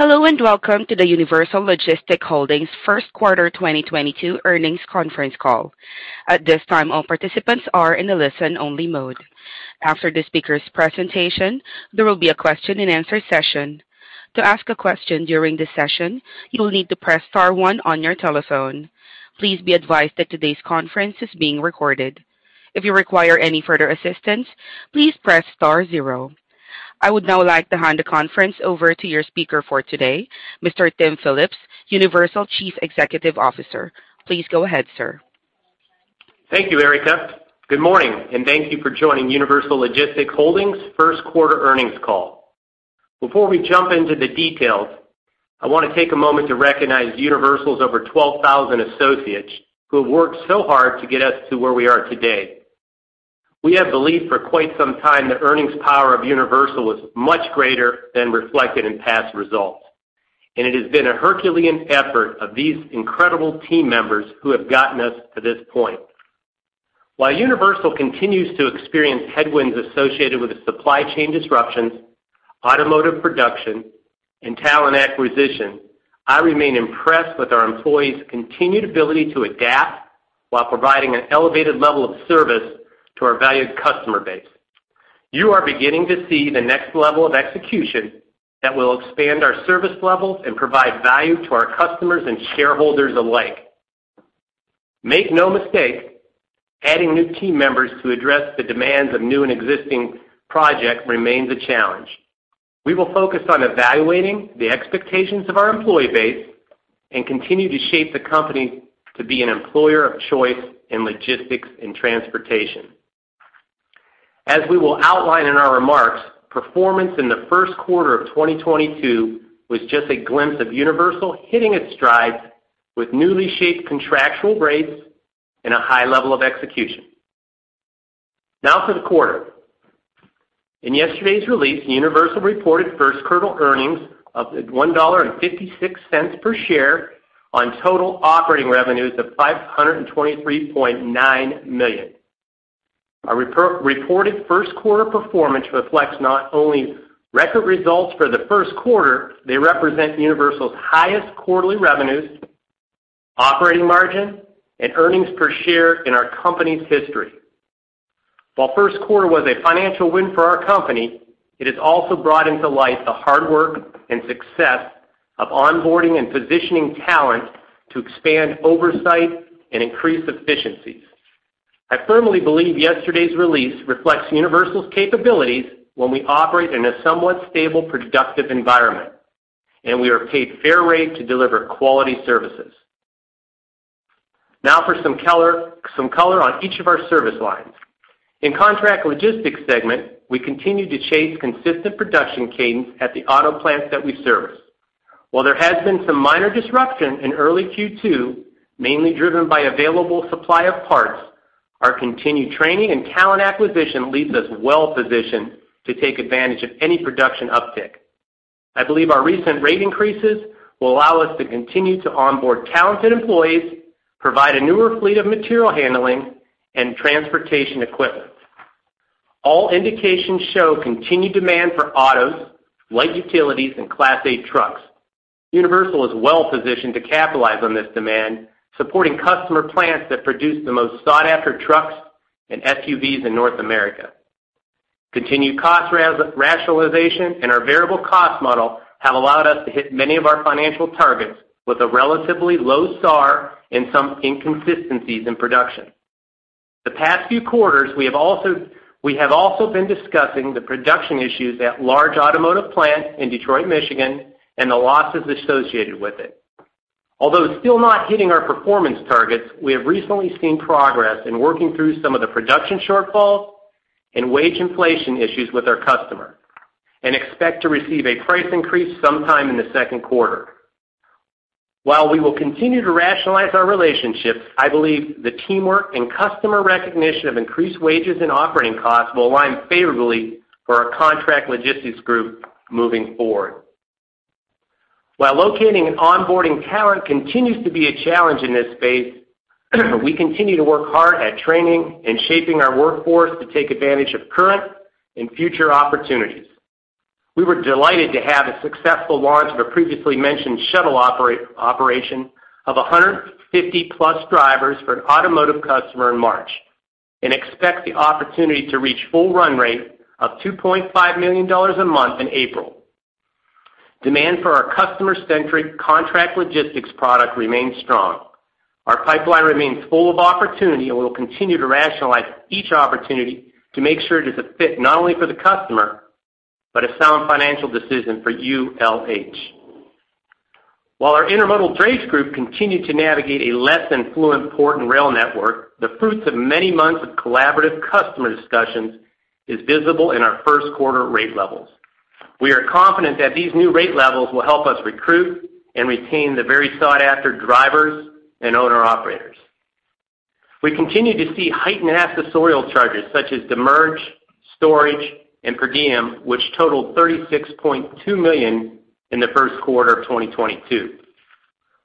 Hello, and welcome to the Universal Logistics Holdings First Quarter 2022 Earnings Conference Call. At this time, all participants are in a listen-only mode. After the speaker's presentation, there will be a question-and-answer session. To ask a question during this session, you will need to press star one on your telephone. Please be advised that today's conference is being recorded. If you require any further assistance, please press star zero. I would now like to hand the conference over to your speaker for today, Mr. Tim Phillips, Universal Chief Executive Officer. Please go ahead, sir. Thank you, Erica. Good morning, and thank you for joining Universal Logistics Holdings first quarter earnings call. Before we jump into the details, I want to take a moment to recognize Universal's over 12,000 associates who have worked so hard to get us to where we are today. We have believed for quite some time the earnings power of Universal was much greater than reflected in past results, and it has been a herculean effort of these incredible team members who have gotten us to this point. While Universal continues to experience headwinds associated with the supply chain disruptions, automotive production, and talent acquisition, I remain impressed with our employees' continued ability to adapt while providing an elevated level of service to our valued customer base. You are beginning to see the next level of execution that will expand our service levels and provide value to our customers and shareholders alike. Make no mistake, adding new team members to address the demands of new and existing projects remains a challenge. We will focus on evaluating the expectations of our employee base and continue to shape the company to be an employer of choice in logistics and transportation. As we will outline in our remarks, performance in the first quarter of 2022 was just a glimpse of Universal hitting its stride with newly shaped contractual rates and a high level of execution. Now to the quarter. In yesterday's release, Universal reported first quarter earnings of $1.56 per share on total operating revenues of $523.9 million. Our reported first quarter performance reflects not only record results for the first quarter, they represent Universal's highest quarterly revenues, operating margin, and earnings per share in our company's history. While first quarter was a financial win for our company, it has also brought into light the hard work and success of onboarding and positioning talent to expand oversight and increase efficiencies. I firmly believe yesterday's release reflects Universal's capabilities when we operate in a somewhat stable, productive environment, and we are paid fair rate to deliver quality services. Now for some color on each of our service lines. In contract logistics segment, we continue to chase consistent production cadence at the auto plants that we service. While there has been some minor disruption in early Q2, mainly driven by available supply of parts, our continued training and talent acquisition leaves us well-positioned to take advantage of any production uptick. I believe our recent rate increases will allow us to continue to onboard talented employees, provide a newer fleet of material handling and transportation equipment. All indications show continued demand for autos, light utilities, and Class 8 trucks. Universal is well-positioned to capitalize on this demand, supporting customer plants that produce the most sought-after trucks and SUVs in North America. Continued cost rationalization and our variable cost model have allowed us to hit many of our financial targets with a relatively low SAAR and some inconsistencies in production. The past few quarters, we have also been discussing the production issues at large automotive plants in Detroit, Michigan, and the losses associated with it. Although still not hitting our performance targets, we have recently seen progress in working through some of the production shortfalls and wage inflation issues with our customer, and expect to receive a price increase sometime in the second quarter. While we will continue to rationalize our relationships, I believe the teamwork and customer recognition of increased wages and operating costs will align favorably for our contract logistics group moving forward. While locating and onboarding talent continues to be a challenge in this space, we continue to work hard at training and shaping our workforce to take advantage of current and future opportunities. We were delighted to have a successful launch of a previously mentioned shuttle operation of 150+ drivers for an automotive customer in March, and expect the opportunity to reach full run rate of $2.5 million a month in April. Demand for our customer-centric contract logistics product remains strong. Our pipeline remains full of opportunity, and we'll continue to rationalize each opportunity to make sure it is a fit not only for the customer, but a sound financial decision for ULH. While our intermodal trades group continued to navigate a less than fluid port and rail network, the fruits of many months of collaborative customer discussions is visible in our first quarter rate levels. We are confident that these new rate levels will help us recruit and retain the very sought-after drivers and owner-operators. We continue to see heightened accessorial charges such as demurrage, storage, and per diem, which totaled $36.2 million in the first quarter of 2022.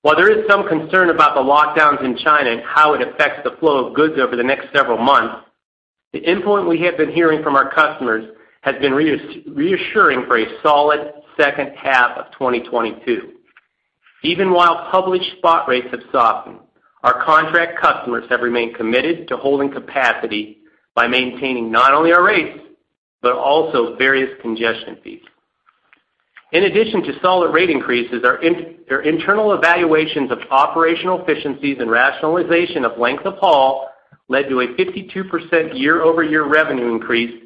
While there is some concern about the lockdowns in China and how it affects the flow of goods over the next several months, the input we have been hearing from our customers has been reassuring for a solid second half of 2022. Even while published spot rates have softened, our contract customers have remained committed to holding capacity by maintaining not only our rates, but also various congestion fees. In addition to solid rate increases, our internal evaluations of operational efficiencies and rationalization of length of haul led to a 52% year-over-year revenue increase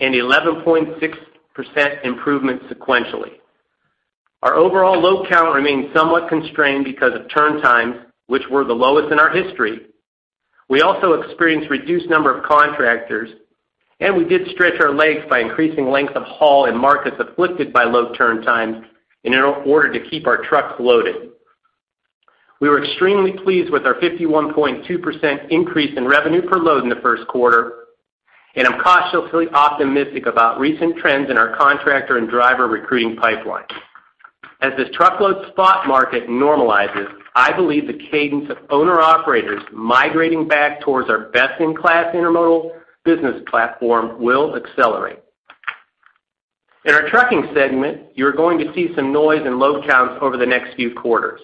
and 11.6% improvement sequentially. Our overall load count remains somewhat constrained because of turn times, which were the lowest in our history. We also experienced reduced number of contractors, and we did stretch our legs by increasing length of haul in markets afflicted by low turn times in order to keep our trucks loaded. We were extremely pleased with our 51.2% increase in revenue per load in the first quarter, and I'm cautiously optimistic about recent trends in our contractor and driver recruiting pipeline. As the truckload spot market normalizes, I believe the cadence of owner-operators migrating back towards our best-in-class intermodal business platform will accelerate. In our trucking segment, you're going to see some noise in load counts over the next few quarters.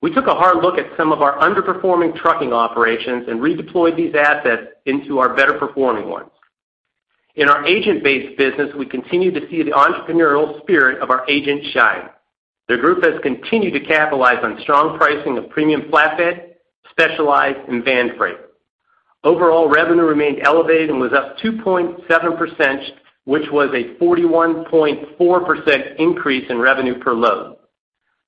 We took a hard look at some of our underperforming trucking operations and redeployed these assets into our better-performing ones. In our agent-based business, we continue to see the entrepreneurial spirit of our agents shine. The group has continued to capitalize on strong pricing of premium flatbed, specialized, and van freight. Overall revenue remained elevated and was up 2.7%, which was a 41.4% increase in revenue per load.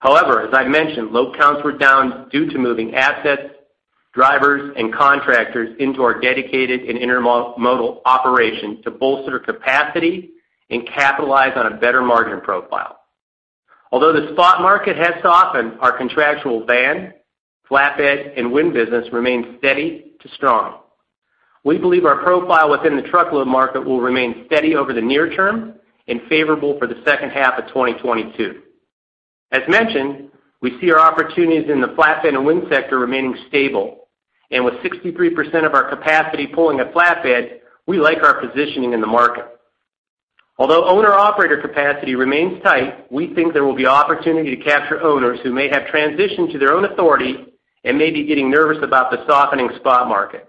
However, as I mentioned, load counts were down due to moving assets, drivers, and contractors into our dedicated and intermodal operations to bolster capacity and capitalize on a better margin profile. Although the spot market has softened, our contractual van, flatbed, and wind business remains steady to strong. We believe our profile within the truckload market will remain steady over the near term and favorable for the second half of 2022. As mentioned, we see our opportunities in the flatbed and wind sector remaining stable, and with 63% of our capacity pulling a flatbed, we like our positioning in the market. Although owner-operator capacity remains tight, we think there will be opportunity to capture owners who may have transitioned to their own authority and may be getting nervous about the softening spot market.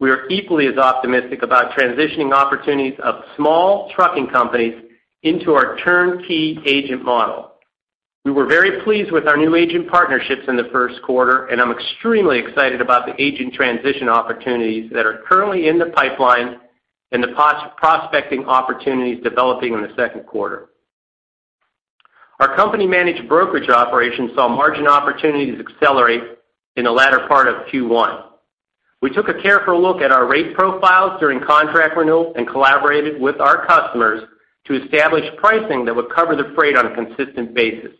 We are equally as optimistic about transitioning opportunities of small trucking companies into our turnkey agent model. We were very pleased with our new agent partnerships in the first quarter, and I'm extremely excited about the agent transition opportunities that are currently in the pipeline and the prospecting opportunities developing in the second quarter. Our company-managed brokerage operation saw margin opportunities accelerate in the latter part of Q1. We took a careful look at our rate profiles during contract renewal and collaborated with our customers to establish pricing that would cover the freight on a consistent basis.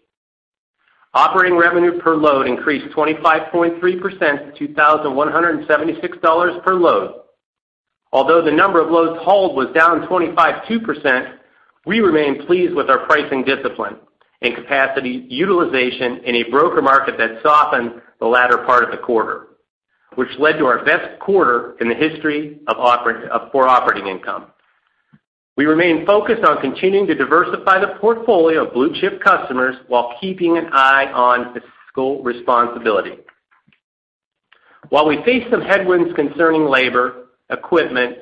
Operating revenue per load increased 25.3% to $2,176 per load. Although the number of loads hauled was down 25.2%, we remain pleased with our pricing discipline and capacity utilization in a broker market that softened the latter part of the quarter, which led to our best quarter in history for operating income. We remain focused on continuing to diversify the portfolio of blue-chip customers while keeping an eye on fiscal responsibility. While we face some headwinds concerning labor, equipment,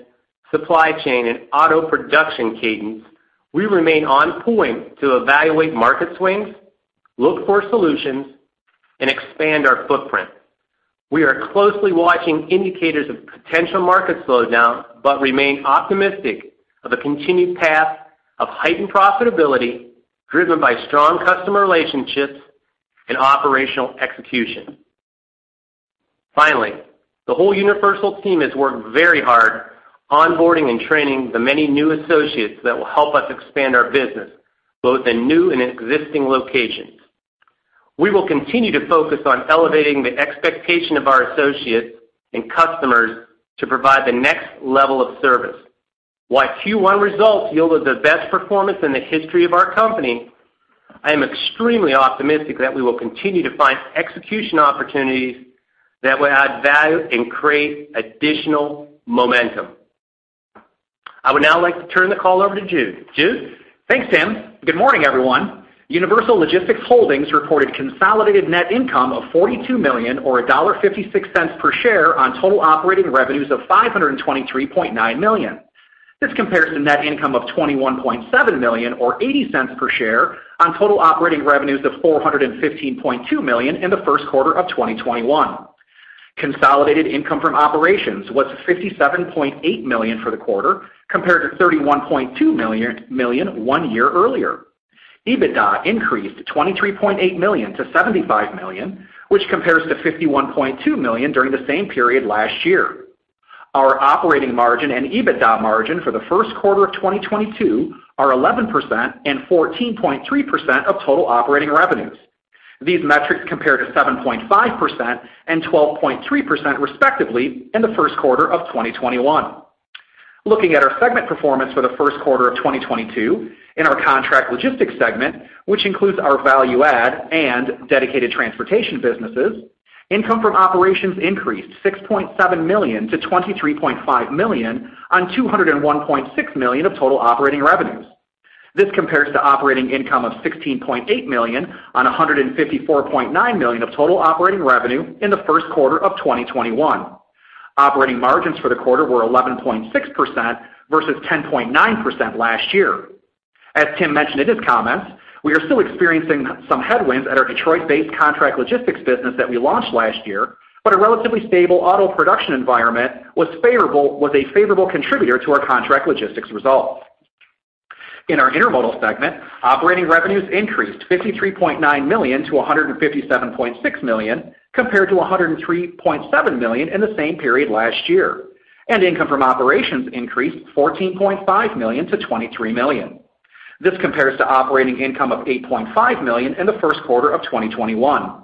supply chain, and auto production cadence, we remain on point to evaluate market swings, look for solutions, and expand our footprint. We are closely watching indicators of potential market slowdown, but remain optimistic of a continued path of heightened profitability driven by strong customer relationships and operational execution. Finally, the whole Universal team has worked very hard onboarding and training the many new associates that will help us expand our business, both in new and existing locations. We will continue to focus on elevating the expectation of our associates and customers to provide the next level of service. While Q1 results yielded the best performance in the history of our company, I am extremely optimistic that we will continue to find execution opportunities that will add value and create additional momentum. I would now like to turn the call over to Jude. Jude? Thanks, Tim. Good morning, everyone. Universal Logistics Holdings reported consolidated net income of $42 million or $1.56 per share on total operating revenues of $523.9 million. This compares to net income of $21.7 million or $0.80 per share on total operating revenues of $415.2 million in the first quarter of 2021. Consolidated income from operations was $57.8 million for the quarter, compared to $31.2 million one year earlier. EBITDA increased $23.8 million to $75 million, which compares to $51.2 million during the same period last year. Our operating margin and EBITDA margin for the first quarter of 2022 are 11% and 14.3% of total operating revenues. These metrics compare to 7.5% and 12.3% respectively in the first quarter of 2021. Looking at our segment performance for the first quarter of 2022, in our contract logistics segment, which includes our value add and dedicated transportation businesses, income from operations increased $6.7 million to $23.5 million on $201.6 million of total operating revenues. This compares to operating income of $16.8 million on $154.9 million of total operating revenue in the first quarter of 2021. Operating margins for the quarter were 11.6% versus 10.9% last year. As Tim mentioned in his comments, we are still experiencing some headwinds at our Detroit-based contract logistics business that we launched last year, but a relatively stable auto production environment was a favorable contributor to our contract logistics results. In our intermodal segment, operating revenues increased $53.9 million to $157.6 million compared to $103.7 million in the same period last year, and income from operations increased $14.5 million to $23 million. This compares to operating income of $8.5 million in the first quarter of 2021.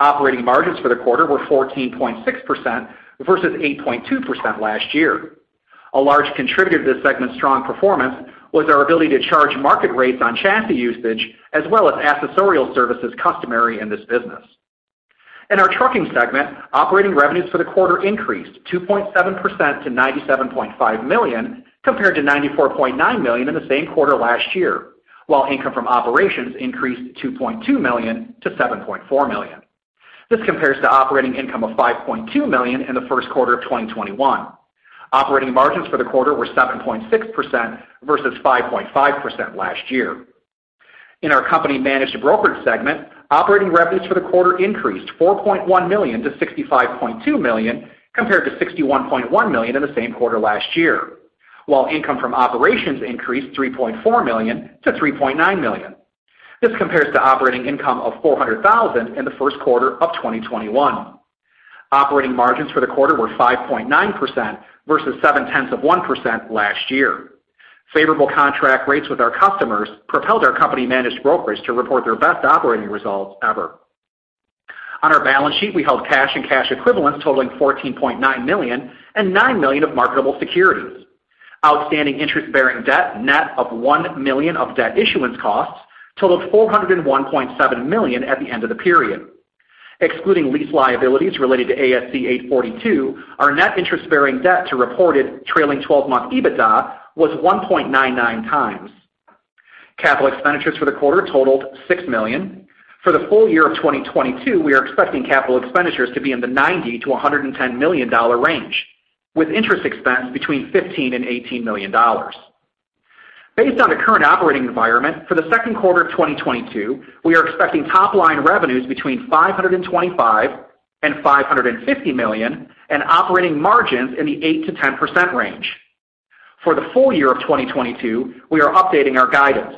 Operating margins for the quarter were 14.6% versus 8.2% last year. A large contributor to this segment's strong performance was our ability to charge market rates on chassis usage as well as accessorial services customary in this business. In our trucking segment, operating revenues for the quarter increased 2.7% to $97.5 million compared to $94.9 million in the same quarter last year, while income from operations increased $2.2 million to $7.4 million. This compares to operating income of $5.2 million in the first quarter of 2021. Operating margins for the quarter were 7.6% versus 5.5% last year. In our company managed brokerage segment, operating revenues for the quarter increased $4.1 million to $65.2 million compared to $61.1 million in the same quarter last year, while income from operations increased $3.4 million to $3.9 million. This compares to operating income of $400,000 in the first quarter of 2021. Operating margins for the quarter were 5.9% versus 7/10 of 1% last year. Favorable contract rates with our customers propelled our company managed brokerage to report their best operating results ever. On our balance sheet, we held cash and cash equivalents totaling $14.9 million and $9 million of marketable securities. Outstanding interest-bearing debt, net of $1 million of debt issuance costs, totaled $401.7 million at the end of the period. Excluding lease liabilities related to ASC 842, our net interest-bearing debt to reported trailing 12-month EBITDA was 1.99x. Capital expenditures for the quarter totaled $6 million. For the full year of 2022, we are expecting capital expenditures to be in the $90 million-$110 million range, with interest expense between $15 million-$18 million. Based on the current operating environment, for the second quarter of 2022, we are expecting top line revenues between $525 million and $550 million, and operating margins in the 8%-10% range. For the full year of 2022, we are updating our guidance.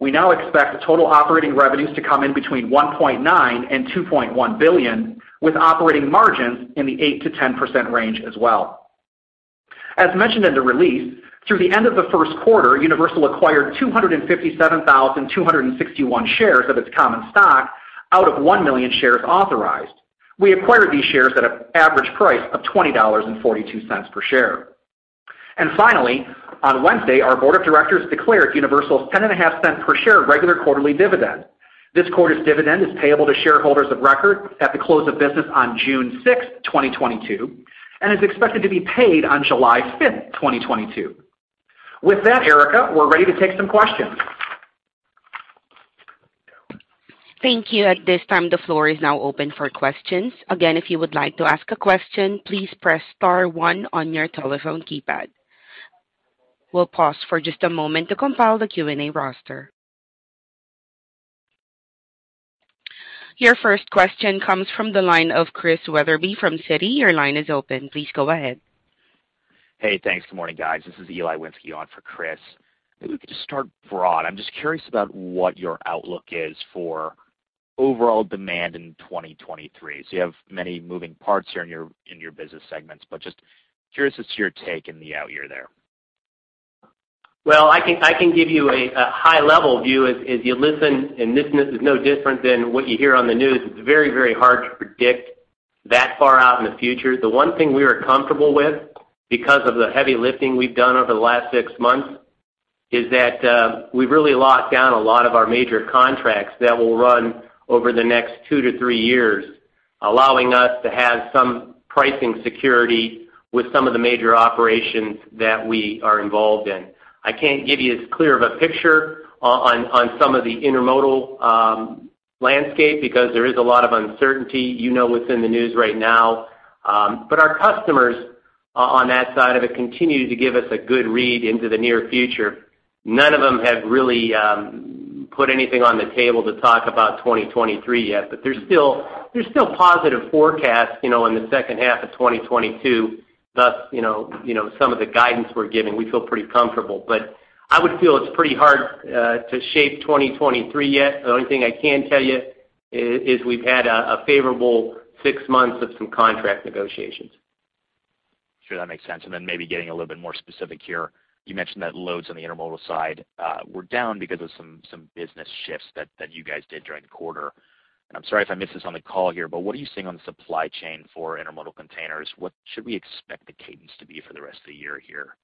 We now expect total operating revenues to come in between $1.9 billion and $2.1 billion, with operating margins in the 8%-10% range as well. As mentioned in the release, through the end of the first quarter, Universal acquired 257,261 shares of its common stock out of 1 million shares authorized. We acquired these shares at an average price of $20.42 per share. Finally, on Wednesday, our board of directors declared Universal's $0.105 per share regular quarterly dividend. This quarter's dividend is payable to shareholders of record at the close of business on June 6th, 2022, and is expected to be paid on July 5th, 2022. With that, Erica, we're ready to take some questions. Thank you. At this time, the floor is now open for questions. Again, if you would like to ask a question, please press star one on your telephone keypad. We'll pause for just a moment to compile the Q&A roster. Your first question comes from the line of Chris Wetherbee from Citi. Your line is open. Please go ahead. Hey, thanks. Good morning, guys. This is Eli Winski on for Chris. If we could just start broad. I'm just curious about what your outlook is for overall demand in 2023. You have many moving parts here in your business segments, but just curious as to your take in the out year there. Well, I can give you a high-level view. As you listen, this is no different than what you hear on the news. It's very hard to predict that far out in the future. The one thing we are comfortable with because of the heavy lifting we've done over the last six months is that we've really locked down a lot of our major contracts that will run over the next two-three years, allowing us to have some pricing security with some of the major operations that we are involved in. I can't give you as clear of a picture on some of the intermodal landscape because there is a lot of uncertainty, you know what's in the news right now. Our customers on that side of it continue to give us a good read into the near future. None of them have really put anything on the table to talk about 2023 yet, but there's still positive forecasts, you know, in the second half of 2022. Thus, you know, some of the guidance we're giving, we feel pretty comfortable. I would feel it's pretty hard to shape 2023 yet. The only thing I can tell you is we've had a favorable six months of some contract negotiations. Sure, that makes sense. Maybe getting a little bit more specific here. You mentioned that loads on the intermodal side were down because of some business shifts that you guys did during the quarter. I'm sorry if I missed this on the call here, but what are you seeing on the supply chain for intermodal containers? What should we expect the cadence to be for the rest of the year here?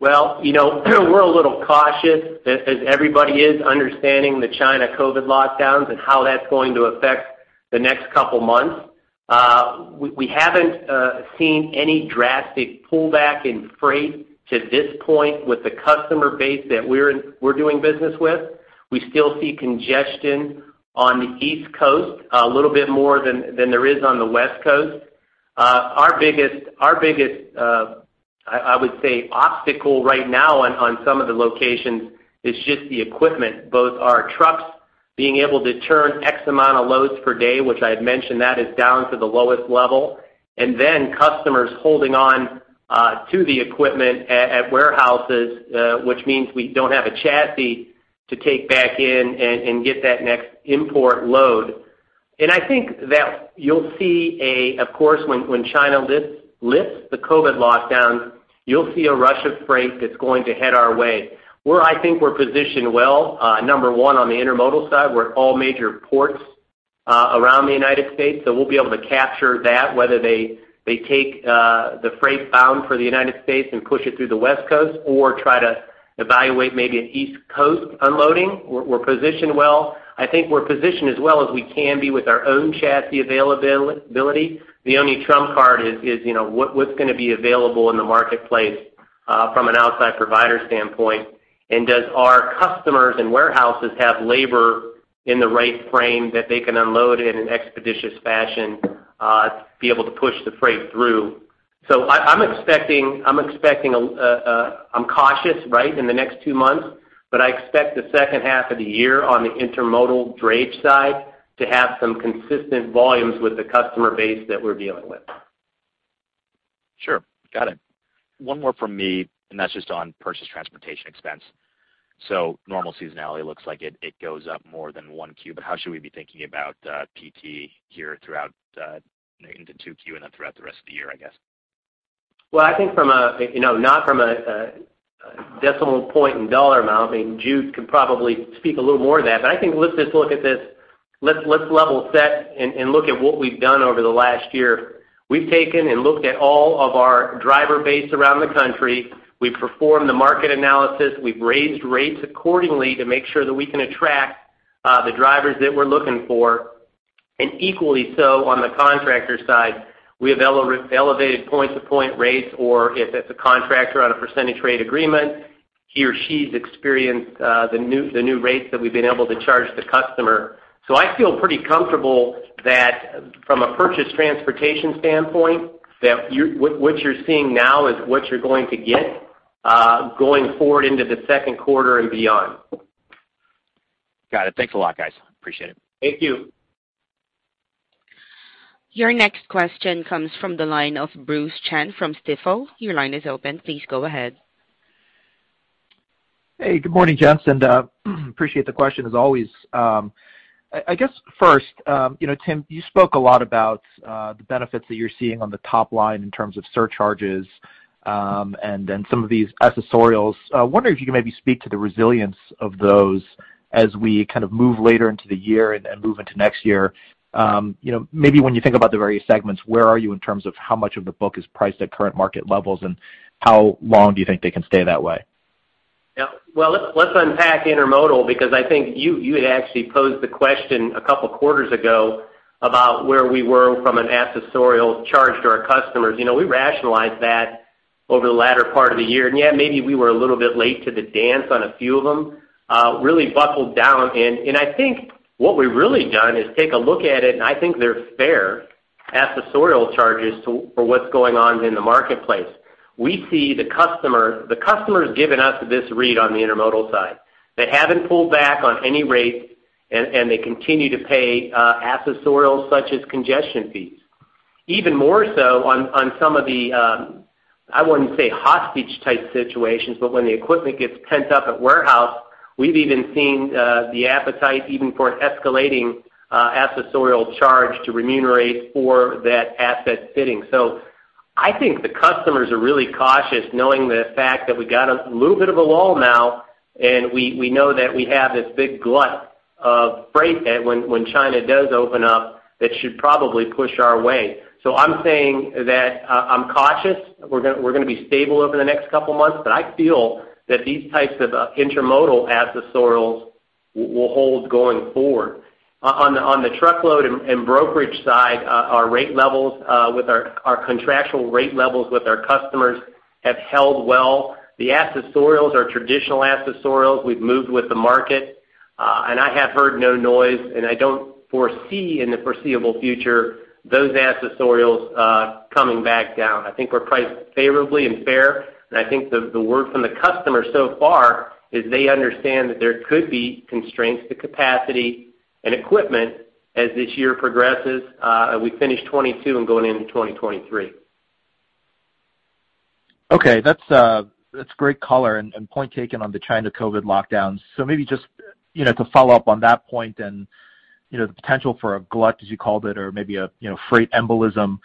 Well, you know, we're a little cautious as everybody is understanding the China COVID lockdowns and how that's going to affect the next couple months. We haven't seen any drastic pullback in freight to this point with the customer base that we're doing business with. We still see congestion on the East Coast a little bit more than there is on the West Coast. Our biggest obstacle right now on some of the locations is just the equipment, both our trucks being able to turn X amount of loads per day, which I had mentioned that is down to the lowest level, and then customers holding on to the equipment at warehouses, which means we don't have a chassis to take back in and get that next import load. I think that you'll see, of course, when China lifts the COVID lockdowns, you'll see a rush of freight that's going to head our way. I think we're positioned well, number one, on the intermodal side. We're at all major ports around the United States, so we'll be able to capture that, whether they take the freight bound for the United States and push it through the West Coast or try to evaluate maybe an East Coast unloading. We're positioned well. I think we're positioned as well as we can be with our own chassis availability. The only trump card is, you know, what's gonna be available in the marketplace from an outside provider standpoint, and does our customers and warehouses have labor in the right frame that they can unload it in an expeditious fashion to be able to push the freight through. I'm expecting, I'm cautious, right, in the next two months, but I expect the second half of the year on the intermodal drayage side to have some consistent volumes with the customer base that we're dealing with. Sure. Got it. One more from me, and that's just on purchase transportation expense. Normal seasonality looks like it goes up more than 1Q, but how should we be thinking about PT here throughout into 2Q and then throughout the rest of the year, I guess? I think not from a decimal point in dollar amount. I mean, Jude could probably speak a little more to that, but I think let's just look at this. Let's level set and look at what we've done over the last year. We've taken and looked at all of our driver base around the country. We've performed the market analysis. We've raised rates accordingly to make sure that we can attract the drivers that we're looking for. Equally so on the contractor side, we have elevated point-to-point rates, or if it's a contractor on a percentage rate agreement, he or she's experienced the new rates that we've been able to charge the customer. I feel pretty comfortable that from a purchased transportation standpoint, that what you're seeing now is what you're going to get, going forward into the second quarter and beyond. Got it. Thanks a lot, guys. Appreciate it. Thank you. Your next question comes from the line of Bruce Chan from Stifel. Your line is open. Please go ahead. Hey, good morning, gents, and appreciate the question as always. I guess first, you know, Tim, you spoke a lot about the benefits that you're seeing on the top line in terms of surcharges, and then some of these accessorials. Wondering if you can maybe speak to the resilience of those as we kind of move later into the year and move into next year. You know, maybe when you think about the various segments, where are you in terms of how much of the book is priced at current market levels, and how long do you think they can stay that way? Yeah. Well, let's unpack intermodal because I think you had actually posed the question a couple quarters ago about where we were from an accessorial charge to our customers. You know, we rationalized that over the latter part of the year. Yeah, maybe we were a little bit late to the dance on a few of them, really buckled down. I think what we've really done is take a look at it, and I think they're fair accessorial charges for what's going on in the marketplace. We see the customer, the customer's given us this read on the intermodal side. They haven't pulled back on any rates, and they continue to pay accessorials such as congestion fees. Even more so on some of the, I wouldn't say hostage type situations, but when the equipment gets pent up at warehouse, we've even seen the appetite even for escalating accessorial charge to remunerate for that asset sitting. I think the customers are really cautious knowing the fact that we got a little bit of a lull now, and we know that we have this big glut of freight that when China does open up, that should probably push our way. I'm saying that I'm cautious. We're gonna be stable over the next couple months, but I feel that these types of intermodal accessorials will hold going forward. On the truckload and brokerage side, our rate levels with our contractual rate levels with our customers have held well. The accessorials are traditional accessorials. We've moved with the market, and I have heard no noise, and I don't foresee in the foreseeable future those accessorials coming back down. I think we're priced favorably and fair, and I think the word from the customer so far is they understand that there could be constraints to capacity and equipment as this year progresses, we finish 2022 and going into 2023. Okay. That's great color and point taken on the China COVID lockdowns. Maybe just, you know, to follow up on that point and, you know, the potential for a glut, as you called it, or maybe a, you know, freight embolism,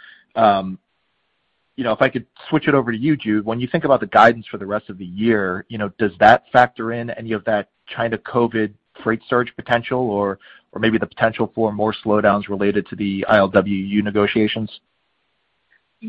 you know, if I could switch it over to you, Jude. When you think about the guidance for the rest of the year, you know, does that factor in any of that China COVID freight surge potential or maybe the potential for more slowdowns related to the ILWU negotiations? Yeah,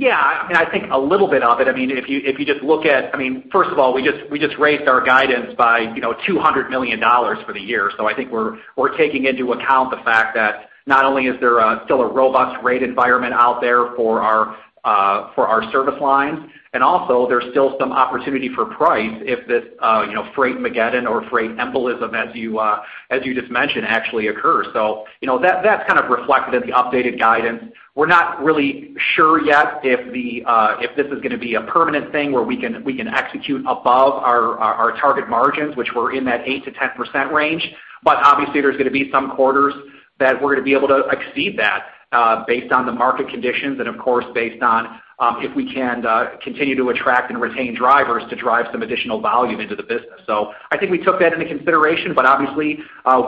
I mean, I think a little bit of it. I mean, if you just look at, I mean, first of all, we just raised our guidance by, you know, $200 million for the year. I think we're taking into account the fact that not only is there still a robust rate environment out there for our service lines, and also there's still some opportunity for price if this, you know, freightmageddon or freight embolism, as you just mentioned, actually occurs. You know, that's kind of reflected in the updated guidance. We're not really sure yet if this is gonna be a permanent thing where we can execute above our target margins, which were in that 8%-10% range. Obviously, there's gonna be some quarters that we're gonna be able to exceed that, based on the market conditions and of course, based on if we can continue to attract and retain drivers to drive some additional volume into the business. I think we took that into consideration, but obviously,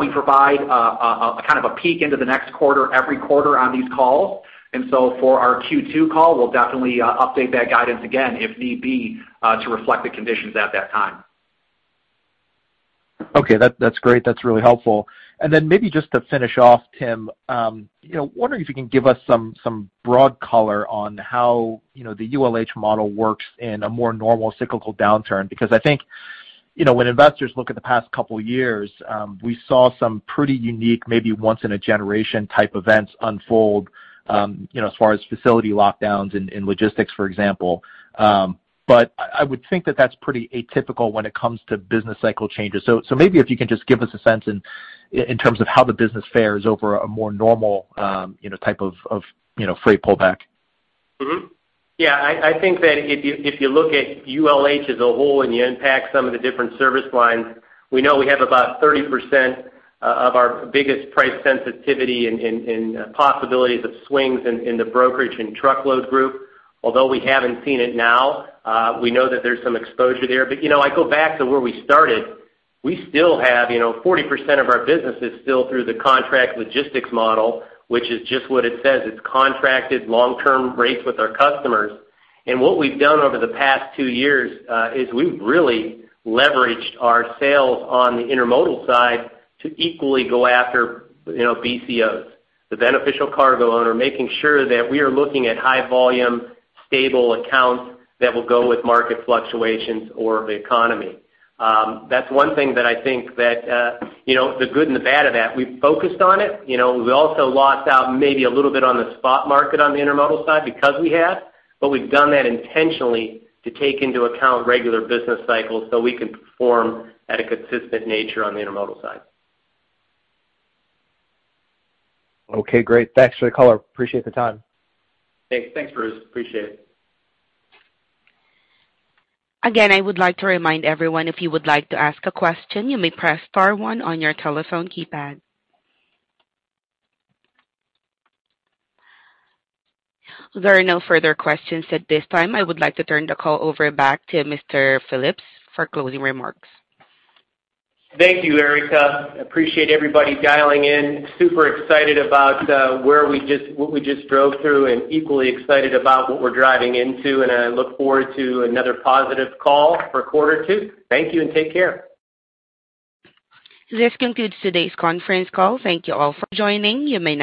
we provide kind of a peek into the next quarter every quarter on these calls. For our Q2 call, we'll definitely update that guidance again if need be to reflect the conditions at that time. That's great. That's really helpful. Maybe just to finish off, Tim, you know, wondering if you can give us some broad color on how, you know, the ULH model works in a more normal cyclical downturn. Because I think, you know, when investors look at the past couple years, we saw some pretty unique, maybe once in a generation type events unfold, you know, as far as facility lockdowns and logistics, for example. I would think that that's pretty atypical when it comes to business cycle changes. Maybe if you can just give us a sense in terms of how the business fares over a more normal, you know, type of freight pullback. I think that if you look at ULH as a whole and you unpack some of the different service lines, we know we have about 30% of our biggest price sensitivity and possibilities of swings in the brokerage and truckload group. Although we haven't seen it now, we know that there's some exposure there. You know, I go back to where we started. We still have, you know, 40% of our business is still through the contract logistics model, which is just what it says. It's contracted long-term rates with our customers. What we've done over the past two years is we've really leveraged our sales on the intermodal side to equally go after, you know, BCOs, the Beneficial Cargo Owner, making sure that we are looking at high volume, stable accounts that will go with market fluctuations or the economy. That's one thing that I think that, you know, the good and the bad of that, we focused on it. You know, we also lost out maybe a little bit on the spot market on the intermodal side because we have, but we've done that intentionally to take into account regular business cycles so we can perform at a consistent nature on the intermodal side. Okay, great. Thanks for the color. Appreciate the time. Thanks. Thanks, Bruce. Appreciate it. Again, I would like to remind everyone, if you would like to ask a question, you may press star one on your telephone keypad. There are no further questions at this time. I would like to turn the call over back to Mr. Phillips for closing remarks. Thank you, Erica. Appreciate everybody dialing in. Super excited about what we just drove through, and equally excited about what we're driving into, and I look forward to another positive call for quarter two. Thank you and take care. This concludes today's conference call. Thank you all for joining. You may now disconnect.